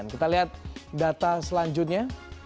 kita lihat data selanjutnya